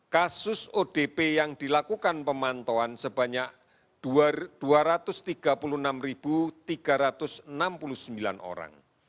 kasus odp yang dilakukan pemantauan sebanyak dua ratus tiga puluh enam tiga ratus enam puluh sembilan orang